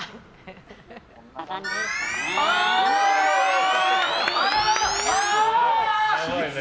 こんな感じですかね。